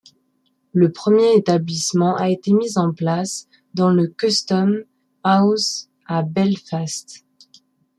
Le premier établissement a été mis en place dans le Custom House à Belfast.